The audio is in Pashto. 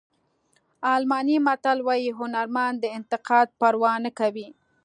الماني متل وایي هنرمند د انتقاد پروا نه کوي.